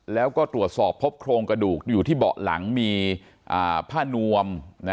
แล้วก็ตรวจสอบพบโครงกระดูกอยู่ที่เบาะหลังมีผ้านวม